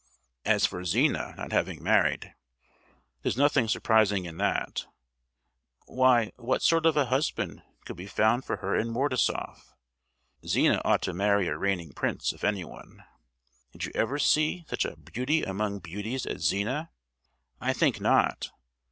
As for Zina not having married, there's nothing surprising in that. Why, what sort of a husband could be found for her in Mordasoff? Zina ought to marry a reigning prince, if anyone! Did you ever see such a beauty among beauties as Zina? I think not.